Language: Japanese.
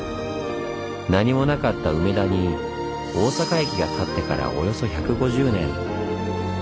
何もなかった梅田に大阪駅が建ってからおよそ１５０年。